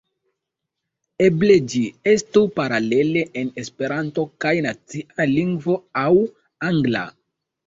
Eble ĝi estu paralele en Esperanto kaj nacia lingvo aŭ angla.